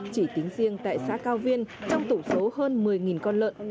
chỉ tính riêng tại xã cao viên trong tổng số hơn một mươi con lợn